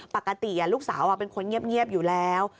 ปกติลูกสาวเป็นคนเงียบอยู่แล้ว